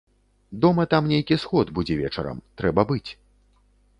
Дома там нейкі сход будзе вечарам, трэба быць.